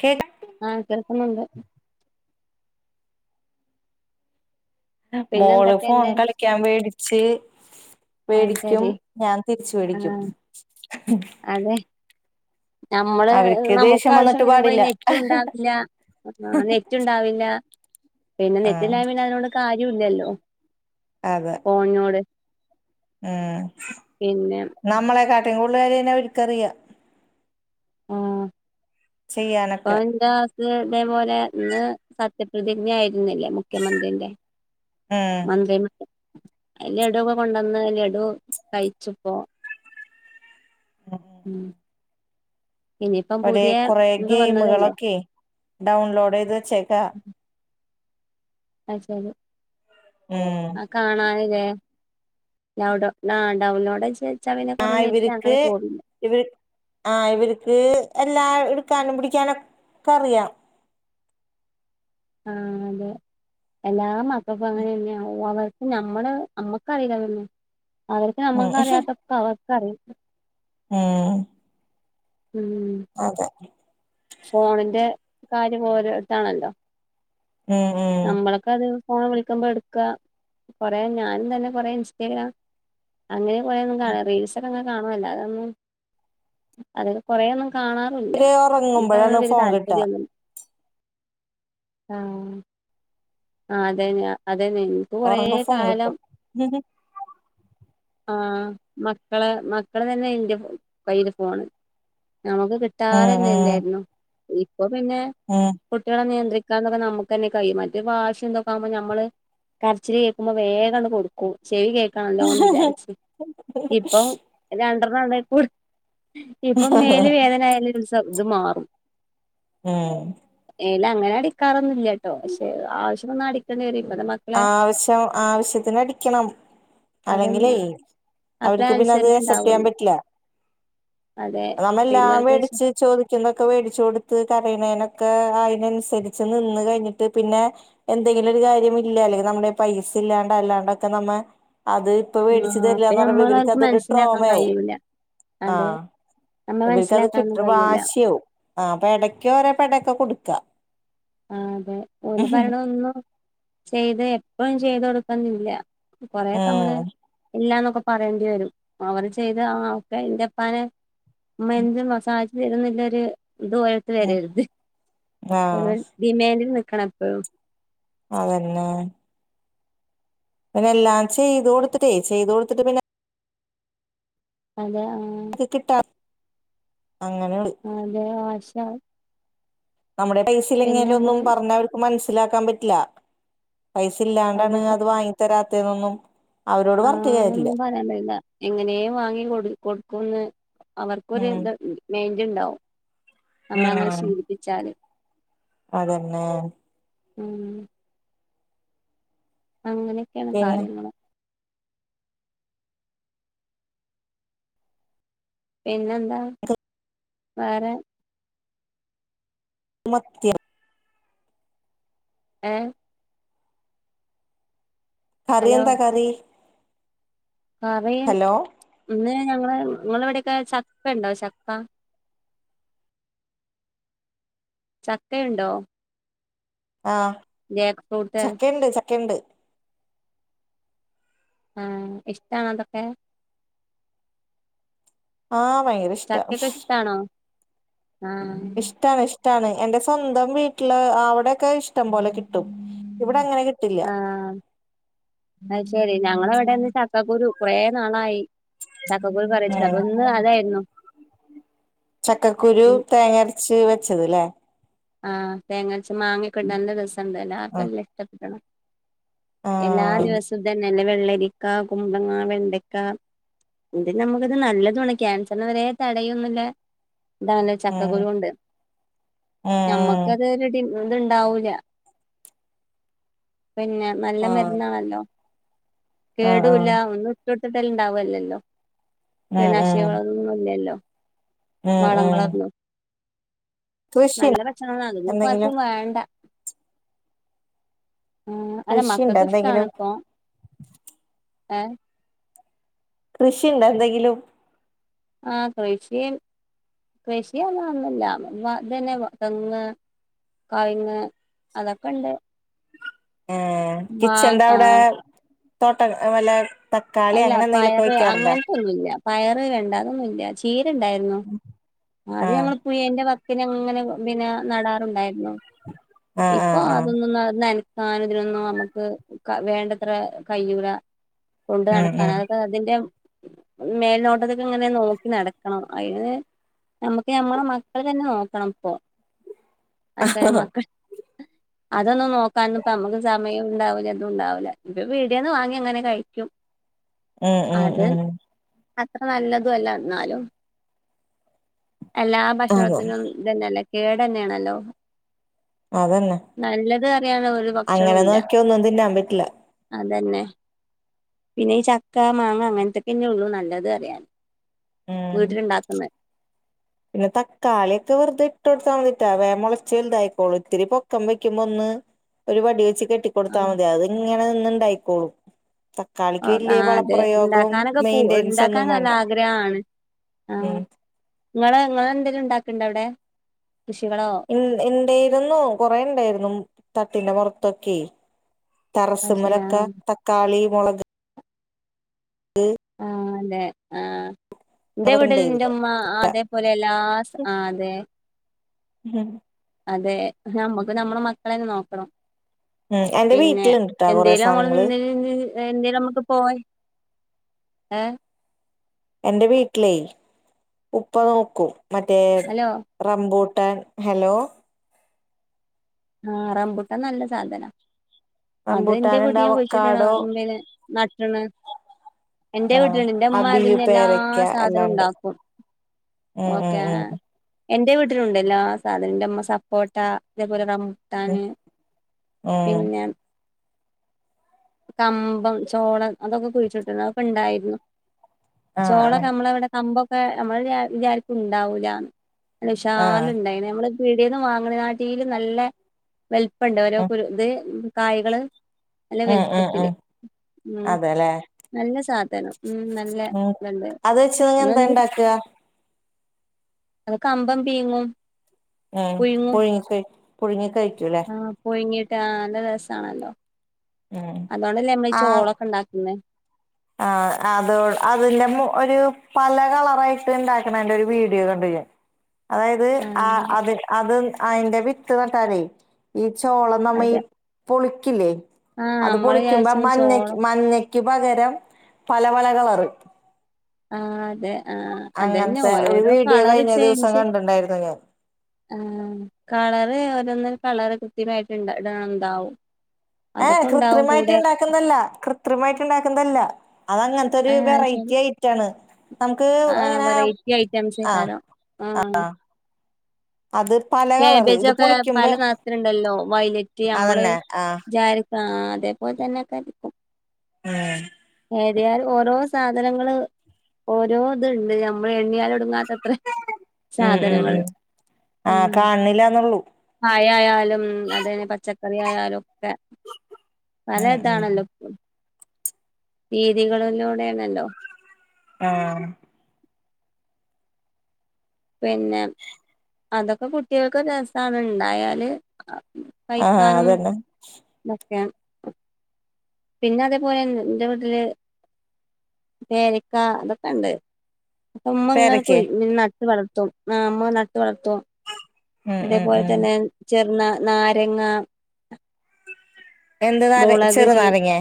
കേ ആഹ് കേക്ക്ന്നുണ്ട് പിന്നെ മോള് ഫോൺ എന്തൊക്കെയുണ്ട് കളി ക്കാൻ വേടിച്ച് ആഹ് വേടിക്കും ശരി ഞാൻ തിരിച്ച് വേടിക്കും ആഹ് അതെ നമ്മള് അവർക്ക് നമുക്ക് ദേഷ്യം ആവശ്യം വന്നിട്ട് വരുമ്പോ പാടില്ല അതില് നെറ്റും ഉണ്ടാവില്ല ആ നെറ്റ് ഉണ്ടാവില്ല പിന്നെ ആഹ് നെറ്റ്ല്ലായ് നോട് അതിനോട് കാര്യല്ലല്ലോ അതെ ഫോൺനോട് ഉം നമ്മളെ കാട്ടിൻ കൂടുകരിനെ അവർക്കറിയ പ ചെയ്യാനൊക്കെ എന്താ ഇ ഇതേപോലെന്ന് സത്യപ്രതിജ്ഞ ആയിരുന്നില്ലേ മുഖ്യമന്ത്രിന്റെ ഉം മന്ത്രി അ ലഡു ഒക്കെ കൊണ്ടുവന്ന് ലഡു കഴിച്ചുപ്പോ മം വരേ കുറേ ഗേയിംമകളൊക്കെ ഡൗൺലോഡ് ചെയ്ത് വെച്ചേക്ക അശരി ഉം കാണാനില്ലേ ലൗഡ ആ ഡൗൺലോഡ ചെയ്യ ച പിനെ കുറഞ്ഞെട്ട അങ്ങനെ പോവില്ല ഇവർ ആ് ഇവർക്ക് എല്ലാ എടുക്കാനും പിടിക്കാനൊക്കെ അറിയ ആഹ് അതെ എല്ലാ മക്കക്കഅങ്ങനെ തന്നെയ അവ നമ്മള് നമ്മക്കറിയില്ലന്നെ അവർക്ക് ഉം നമ്മക്ക അറിയാത്തക്കെ അവർക്കറി ഉം ഉം അതെ ഫോണിന്റെ കാര്യം ഓരോതാണല്ലോ ഉം ഉം നമ്മളൊക്ക അത് ഫോൺ വിളിക്കുമ്പോ എടുക്കാ കൊറേ ഞാനും നല്ല കൊറേ ഇൻസ്റ്റഗ്രാം അങ്ങനെ കൊറേന്നും കാണാ റീൽസക്കയിങ്ങനെ കാണും അല്ലാതൊന്നും അതൊക്കെ കൊറെ ഒന്നും കാണാ പ്പൊല്ല്യാ ഇവര് ഇൻക്ക് ഉറങ്ങുമ്പോഴാണ് അതിനോട് വെല്യ ഫോൺ കിട്ടാ താല്പര്യൊന്നു ആഹ് ആഹ് അതെ അതെ [unintelligible] ഒറങ്ങുമ്പോ ഫോൺ കിട്ടും. ആഹ് മക്കളെ മക്കള് തന്നെ ഇന്റെ കൈല് ഫോണ്. ഞമ്മക്ക് ഉം കിട്ടാറന്നെ ഇല്ലാർന്നു ഇപ്പൊ പിന്നെ ഉം കുട്ട്യേളെ നിയന്ത്രിക്കാന്ന്ള്ളത് നമ്മക്കെന്നെ കൈയ്യും മറ്റ് വാശി ഇതെക്കാവുമ്പോ ഞമ്മള് കരച്ചില് കേക്കുമ്പോ വേഗാണ്ട് കൊടുക്കും ചെവി കേക് ക്കണല്ലോ വിചാരിച്ച് ഇപ്പം രണ്ടർ [unintelligible] ഇപ്പം മേല് വേദനായലും സ ഇത് മാറും ഉം മേല് അങ്ങനെ അടിക്കാറൊന്നുല്ല്യാട്ടോ പഷെ ആവശ്യംവന്നാ അടിക്കേണ്ടി വരും ഇപ്പത്തെ മക്ക് ആവശ്യം ആവശ്യത്തിനടിക്കണം. അതന്നെ അല്ലെങ്കിലേ അപ്പളേ അവര്ക്ക് പിന്നെ അത് അനുസരണ അസെപ്റ്റ് ചെയ്യാൻ ഉണ്ടാവുള്ളു പറ്റില്ലാ അതെ പിന്നെ നമ്മെല്ലാം അവർക്ക് ശ വേടിച്ച് ചോദി ക്കുന്നൊക്കെ വേടിച്ച് കൊടുത്ത് കരയണേനൊക്കെ അയ്നൻസരിച്ച് നിന്ന് കയ്ഞ്ഞിട്ട് പിന്നെ എന്തെങ്കിലും ഒരു കാര്യം ഇല്ല അല്ലെങ്കി നമ്മടെയ് പൈസ ഇല്ലാണ്ട അല്ലാണ്ടൊക്കെ നമ്മെ അത് ഇപ്പ വേടിച്ച് ആഹ് അപ്പൊ തരിലാന്ന് പറയ്മ്പോ നമ്മള് ഇവര്ക്ക് അവർക്ക് അതൊരു മനസ്സിലാക്കാൻ ട്രോമയാവും കഴിയൂല അതെ ആഹ് നമ്മൾ ഇവലിക്കത് മനസ്സിലാക്കാനൊന്നും കിട്ടണ കഴിയൂല വാശിയാവും ആഹ് അപ്പ എടക്ക് ഓരോ പെടേക്കെ കൊടുക്കാ ആഹ് അതെ ഓല് പറയണ ഒന്നും ചെയ്ത് എപ്പഴും ചെയ്ത് കൊട്ക്കണന്നില്ല. കൊറേക്കെ നമ്മള് ഉം ഇല്ലാന്നൊക്കെ പറയേണ്ടി വരും അവര് ചെയ്ത ആഹ് ക്കെ ഇന്റെപ്പാനെ ഉമ്മ എന്തും മ സാധിച്ച് തരുന്ന്ള്ളൊരു ഇത് ഓല് ളത് വെരെര്ത് ആഹ് [unintelligible] ഡിമാൻഡിൽ നിക്കണം എപ്പഴും. അതന്നെ പിന്നെ എല്ലാം ചെയ്ത് കൊടുത്തിട്ടേ ചെയ്ത് കൊടുത്തിട്ട് പിന്നെ അതാ ആഹ് കിട്ടാത് അങ്ങനെ ഇണ്ട് അതെ [unintelligible] നമ്മടേ പിന്നെ പൈസയില്ലെങ്ങിലൊന്നും നമ്മള് പറഞ്ഞാ അവർക്ക് മനസ്സ്ലാക്കാൻ പറ്റ്ല്ലാ പൈസ ഇല്ലാണ്ടാണ് അതെ അത് വാങ്ങി തരാത്തെന്നൊന്നും ആഹ് അതൊന്നും പറയാൻ കയ്യൂലാ എങ്ങനേം വാങ്ങികൊട് കൊടുക്കുന്ന് അവർക്കൊരു ഉം ഇത് മൈന്റ്ണ്ടാവും നമ്മളങ്ങനെ ഉം ശീലിപ്പിച്ചാല്. അതന്നെ ഉം അങ്ങനെക്കെയാണ് പിന്നെ കാര്യങ്ങള്. പിന്നെന്താ വേറെ? മത്തിയോ? ഏഹ് കറി ഹലോ എന്താ കറീ? കറീ ഇന്ന് ഞങ്ങള് ഇങ്ങളവിടെക്കെ ചക്കണ്ടോ ചക്ക? ചക്കയുണ്ടോ? ആഹ് ജാക്ക് ഫ്രൂട്ട് ചക്കയ്ണ്ട് ചക്കയ്ണ്ട്. ആഹ് ഇഷ്ട്ടാണോ അതൊക്കെ? ആ ഭയങ്കര ഇഷ് ചക്കെക്കെ ഇഷ്ടാണോ ആഹ് ഇഷ്ടാണ് ഷ്ടാണ് എന്റെ സ്വന്തം വീട്ടില് അവിടെക്കെ ഇഷ് ടം പോലെ കിട്ടും ഇവിടങ്ങെനെ കിട്ടില്ല അയ്ശെരി ഉം ഞങ്ങളെവടെന്നാ ച ക്കക്കുരു കുറേ നാളായി ചക്കക്കുരു കറിയെച്ചിട്ട് അപ്പൊ ഇന്ന് അതായിരുന്നു ചക്കക്കുരു ഉം തേങ്ങ അരച്ച് വെച്ചത് ലേ? ആ തേങ്ങര്ച്ച് മാങ്ങക്കെട്ട് നല്ല രസണ്ട് എല്ലാർക്കും ആഹ് നല്ല ഇഷ്ടപെട്ട്ണ് എല്ലാ ആഹ് ഉം ദിവസും ഇതന്നെല്ലേ വെള്ളരിക്ക, കുമ്പൾങ്ങ, വെണ്ടക്ക ഇതിലമ്മക്ക്ത് നല്ലതുവാണ്. ക്യാൻസർനെ വരേ തടയൊന്നുല്ല ഇതാണ് ചക്കക്കുരോണ്ട്. ഉം ഞ്ഞമ്മക്കത് ഒര് ടിമാ ഇത്ണ്ടാവൂലാ പിന്നെ നല്ല ആഹ് മെര്ന്നാണല്ലോ ആഹ് ആഹ് കേടൂല്ലാ ഒന്നും ഇട്ടൊട്ത്ത്ട്ട്ണ്ടാവല്ലല്ലോ ഉം ഉം കീടനാശിനികളൊന്നുല്ലല്ലോ ഉം ഉം വളങ്ങളൊന്നും കൃഷി നല്ല ഭക്ഷണാത് അതൊന്നും എന്തെങ്കിലും ആർക്കും വേണ്ട ആ അല്ല കൃഷിണ്ടോ എന്തെങ്കിലും മക്കക്കിഷ്ടാണിപ്പോ ഏഹ് കൃഷിണ്ടൊ എന്തെങ്കിലും ആ കൃഷിം കൃഷിയർഞഒന്നുല്ല ഇതന്നെ തെങ്ങ് കയിങ്ങ് അതക്കെണ്ട് ഏഹേ ആ കിച്ചൻ്റവ്ടെ തോട്ടം വല്ല തക്കാളി അങ്ങനെന്തെങ്കിലൊക്കെ വെക്കാറ്ണ്ടോ? തൊന്നുല്ല പയറ്, വെണ്ട, അതൊന്നുല്ല്യ ചീരണ്ടായിരുന്നു അത് ആഹ് ഞങ്ങള് കുയ്യന്റെ വക്കിനങ്ങനെ പിന്നെ നടാറുണ്ടായിരുന്നു ആഹ് ഇപ്പൊ ആഹ് ആഹ് അതൊന്നും ന്ന നന് ക്കാന് തിനൊന്നും നമ്മക്ക് വേണ്ടത്ര കയ്യൂല കൊണ്ട് ഉം നടക്കാന് അതൊക്കെ അ തിന്റെ മേൽനോട്ടത്ത്ക്ക്ങ്ങെനെ നോക്കി നടക്കണം അയ്ന് ഞമ്മക്ക് ഞമ്മളെ മക്കൾതെന്നെ നോക്കണപ്പൊ അക്ക ഉം മക്ക [inaudible] അതൊന്നും നോക്കാന്നുപ്പം അമ്മക്ക് സമയൂണ്ടാവ്ല്ല ഇതുണ്ടാവൂല്ല ഇത് പീട്യാന്ന് വാങ്ങിയങ്ങനെ കഴിക്കും ഉം ഉം അത് ഉം അത്ര നല്ലതുവല്ലാ ന്നാലും എല്ലാ അതെ ഭക്ഷണത്തിനും ഇതന്നെല്ലെ കേടെന്നേണല്ലോ? അതന്നെ നല്ലത് അറിയാനൊരു അങ്ങനെ ഭക്ഷണുല്ലാ നോക്കിയ ഒന്നും തിന്നാൻ പറ്റില്ല അതന്നെ പിന്നെ ഈ ചക്ക, മാങ്ങ അങ്ങൻത്തെക്കെന്നൊള്ളു നല്ലത് അറിയാ ഉം വീട്ടില്ണ്ടാക്ക്ന്നെ പിന്നെ തക്കാളിയെക്കെ വെറുതെ ഇട്ടോട്ത്താമതിട്ടാ വേം മൊളച്ച് വെല്തായിക്കോളൂ ഇത്തിരി പൊക്കം വെക്കുമ്പൊന്ന് ഒരു വടി വെച്ച് ആ കെട്ടിക്കൊടുത്താ മതി അത്ങ്ങനെ നിന്ന്ണ്ടായിക്കോളും ആ തക്കാളിക്ക് ആ, വല്ല്യ അതെ വളപ്രയോഗും മെയിന്റേൻസൊന്നും വേണ്ടാ ഗ്രാണ് ഉം ഇങ്ങള് ഇങ്ങളെന്തെലുണ്ടാക്ക്ണ്ടോവ്ടെ കൃഷികളോ? ഇണ് ഇൺണ്ടയിരുന്നു കൊറേണ്ടായിരുന്നു തട്ടിന്റെ പൊറത്തൊക്കെ ആ ശരി. ആ ടെറസ്സുമ്മലക്കെ തക്കാളി, മൊള ക് ആഹ് ലേ? ആഹാ ന്റെ അതൊക്കെ വീട്ട്ൽ ഇണ്ടായിരുന്നു ൻ്റെമ്മ ഇല്ല അതേപോലെ എല്ലാ സ അതെ ഉം അതെ ഞമ്മക്ക് നമ്മളെ മക്കളെന്നെ നോക്കണം എന്റെ പിന്നെ വീട്ടിലുണ്ട്ട്ടാ കൊറേ എന്തേലും ഞമ്മള് സാധനങ്ങള് [unintelligible] [unintelligible] എന്തേലൊമ്മക്ക് പോവാന് ഏഹ് എൻ്റെ വീട്ടിലേ ഉപ്പ നോക്കും മറ്റേ ഹലോ റംബൂട്ടാൻ ഹലോ? ആ റംബൂട്ടാൻ നല്ല സാധനാ അത് ഇന്റെ റംബൂട്ടാനുണ്ട് വീട്ട്ലും കുഴിച്ചിട്ട്ണ് അവക്കാടോ പിന്നെ നട്ട്ണ് ന്റെ വീട്ടിലുണ്ട് ന്റെ മ്മ അബിയു അതിന്റെ എല്ലാ പേരക്ക സാധനവും എല്ലാണ്ട് ഉണ്ടാക്കും ഉം ഓക്കെ ഉം എന്റെ വീട്ടിലുണ്ട് എല്ലാ സാധനം ന്റെ മ്മ സപ്പോട്ട അതേപോലെ റം ഉം ബൂട്ടാന് ഉം പിന്നെ കമ്പം ചോളം അതൊക്കെ കുഴിച്ചിട്ടിരുന്നു അതൊക്കെണ്ടായിരുന്നു ആഹ് ആഹ് ചോളൊക്കെ നമ്മളവിടെ കമ്പൊക്കെ നമ്മള് വിചാരിക്കുംണ്ടാവൂലാന്ന് ആഹ് [unintelligible] നമ്മള പീടിന്ന് വാങ്ങിണേക്കാട്ടിലും നല്ല വലുപ്പണ്ട് ഓരോ കുരു ത് കായ്കള് നല്ല വലുപ്പത്തില് അതെല്ലെ ഉം നല്ല ഉം ഇതുണ്ട് അത് വെച്ച് [unintelligible] അതെന്ത് എന്താണ്ടാക്കാ കമ്പം പീങ്ങും ഉം പുഴുങ്ങി കഴി പുഴുങ്ങി കഴിക്കൂല്ലേ ആഹ് പുഴുങ്ങിട്ട് ആഹ്‌ നല്ല രസാണല്ലോ ഉം അതുകൊണ്ടല്ലേ നമ്മളീ ചോളൊക്കെ ഉണ്ടാക്കുന്നെ ആഹ് അത് അതിന്റെ ഒരു പല കളറായിട്ട് ഇണ്ടാക്കണേന്റെ ഒരു വീഡിയോ കണ്ട്ഞാൻ അതായത് ആ ആഹ് അത് അത് അയിന്റെ വിത്ത് നട്ടാലേ ഈ ചോളം നമ്മ ഈ അതെ പൊളിക്കില്ലേ ആ അത് നമ്മള് പൊളിക്കുമ്പോ വിചാരിച്ചും മഞ്ഞക്ക് ചോളം മഞ്ഞ ക്ക്പകരം പല പല കളറ് ആഹ് അതെ ആഹ് അതന്നെ അങ്ങനത്തെ ഒരു ഓരോരോ വീഡിയോ കളറ് കഴിഞ്ഞ ദിവസം ചേഞ്ച് കണ്ടിണ്ടായിരുന്നു ഞാൻ ആഹ് കളറ് ഓരോന്നും കളറ് കൃത്രിമായിട്ട്ഇടണംന്ന്ണ്ടാവും ഏഹ് കൃത്രിമായിട്ട് ഉണ്ടാക്ക ക്കുന്നല്ല കൃത്രിമായിട്ട് ഉണ്ടാക്കുന്നല്ല അത അങ്ങനത്തൊരു ആ ശരി വെറൈറ്റി അയിറ്റാണ് നമുക്ക് ആഹ് ഇങ്ങനെ വെറൈറ്റി ആഹ് ഐറ്റംസേക്കാരം ആഹ് അത് പല ഇത് കാബേജൊക്കെ പല പൊളിക്കുമ്പോ നിറത്തിലുണ്ടല്ലോ വൈലറ്റ് നമ്മള് ആഹ് അതേപോലെതന്നെയിരിക്കും ആഹ്‌ ഏതായാലും ഓരോ സാധനങ്ങള് ഓരോ ഇത്ണ്ട് നമ്മൾ എണ്ണിയാൽ ഒടുങ്ങാത്തത്ര ഉം ഉം സാധനങ്ങള് ഉം ഉം ആഹ് കാണില്ലാന്നുള്ളൂ പഴായാലും അതെന്നെ പച്ചക്കറിയായാലും ഒക്കെ പല ഉം ഉം ഇതാണല്ലോ രീതികളിലൂടെയാണല്ലോ ആഹ് പിന്നെ അതൊക്കെ കുട്ടികൾക്കും രസാണ്ഇണ്ടായാല് ആഹ് കഴിക്കാനും അതന്നെ ഒക്കെ പിന്നെ അതേപോലെ ന്റെ വീട്ടില് പേരക്ക അതൊക്കെണ്ട് മ്മങ്ങനെ പേരക്കെ പോയി നട്ട് വളർത്തും അ മ്മ നട്ട് വളർത്തും ഉം ഉം അതേപോലെ ഉം തന്നെ ചെറുനാരങ്ങ എന്ത് നാര മുളക് ചീ ചെറുനാരങ്ങേ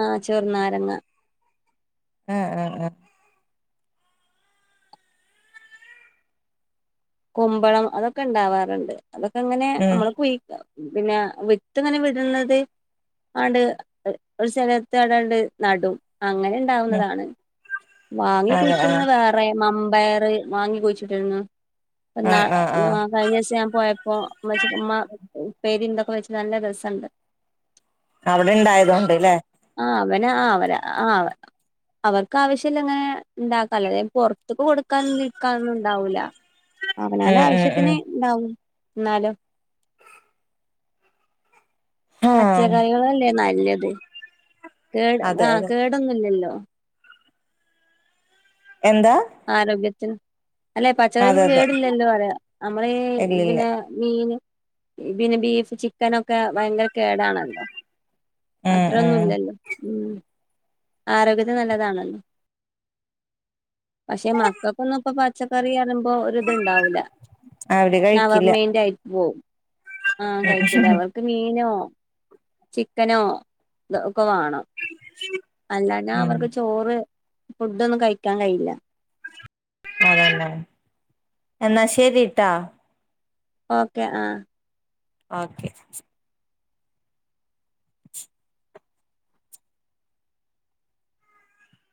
ആഹ് ചെറുനാരങ്ങ ആഹ്‌ ആഹ്‌ കുമ്പളം അതൊക്കെണ്ടാവാറുണ്ട് അതൊക്കെ അങ്ങനെ ഉം നമ്മള് കുഴി പിന്നെ വിത്ത് അങ്ങനെ വിടുന്നത് ആണ്ട് ഒരു സ്ഥലത്ത് എവിടാണ്ട് നടും അങ്ങനെ ഉം ണ്ടാവുന്നതാണ് വാങ്ങി അതെ ആഹ് കുഴിക്കുന്നത് വേറെ മമ്പയർ വാങ്ങി കുഴിച്ചിട്ടിരുന്നു ആഹ് ആഹ് ആഹ് [unintelligible] കഴിഞ്ഞദിവസം ഞാൻ പോയപ്പോ ഉമ്മച്ചി ഉമ്മ പ്പേരിന്തൊക്കെ വെച്ച് നല്ല രസണ്ട് അവിടെണ്ടായതുകൊണ്ട്ലെ ആഹ് അവന ആഹ് അവന ആഹ് അവന അവർക്ക് ആവശ്യല്ലങ്ങനെ ഉണ്ടാക്കല്ല അതായത് പുറത്തക്ക് കൊടുക്കാനും വിക്കാനൊന്നും ഉണ്ടാവുല അവനാന്റെ ഉം ഉം ആവശ്യത്തിന് ഉം ഇണ്ടാവും എന്നാലും ആഹ് പച്ചക്കറികളല്ലേ നല്ലത് കേട് അതെ ആഹ് അതെ കേടൊന്നുല്ലല്ലോ എന്താ ആരോഗ്യത്തിന് അല്ലെ പച്ചക്കറിക്ക് അതെ അതെ കേടില്ലല്ലോ പറയാ നമ്മളീ ഇല്ലില്ല പിന്നെ മീൻ പിന്നെ ബീഫ് ചിക്കനൊക്കെ ഭയങ്കര കേടാണല്ലോ ഉം അത്രൊന്നും ഉം ഇല്ലല്ലോ ഉ ആരോഗ്യത്തെ നല്ലതാണല്ലോ പക്ഷെ മക്കൾക്കൊന്നും ഇപ്പ പച്ചക്കറി അറിമ്പോ ഒരിത്ണ്ടാവൂല്ല അവര് കഴിക്കില്ല നവർമെൻറ ആയിട്ട് പോകും ആ കഴിക്കണ്ട ഉം അവർ മീനോ ചിക്കനോ ഇതൊക്കെ വേണം അല്ലാഞ്ഞാ ഉം അവർക്ക് ചോറ് ഫുഡൊന്നും കഴിക്കാൻ കഴിയില്ല അതന്നെ എന്നാ ശരിട്ടാ ഓക്കെ ആഹ് ഓക്കെ